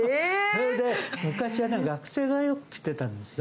それで、昔は学生がよく来てたんですよ。